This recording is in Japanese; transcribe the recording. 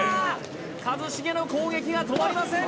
一茂の攻撃が止まりません